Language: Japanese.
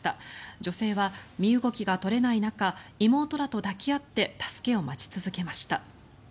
女性は身動きが取れない中妹らと抱き合って助けを待ち続けました。